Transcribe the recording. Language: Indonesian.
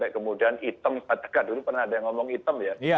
kemudian hitam batega dulu pernah ada yang ngomong hitam ya